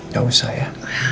gak usah ya